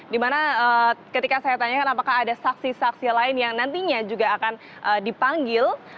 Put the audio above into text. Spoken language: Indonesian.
dimana ketika saya tanyakan apakah ada saksi saksi lain yang nantinya juga akan dipanggil